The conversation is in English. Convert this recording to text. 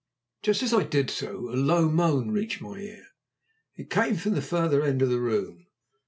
Just as I did so a low moan reached my ear. It came from the further end of the room.